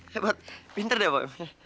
hebat pinter deh pa